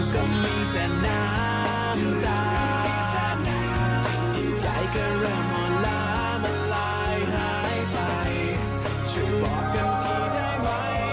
คนที่ฆ่าฉันครับ